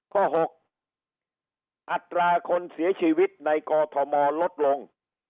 ข้อ๖อัตราคนเสียชีวิตในกอทมลดลง